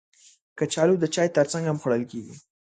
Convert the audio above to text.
کچالو د چای ترڅنګ هم خوړل کېږي